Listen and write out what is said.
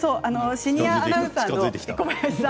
シニアアナウンサーの小林さん。